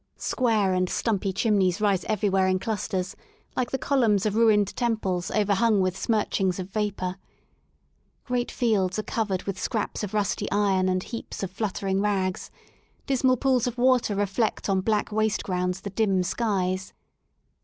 Square and stumpy chimneys rise everywhere in clusters like the columns of ruined 102 WORK IN LONDON temples overhung with smirchings of vapour Great fields are covered with scraps of rusty iron and heaps of fluttering rags; dismal pools of water reflect on black waste grounds the dim skies.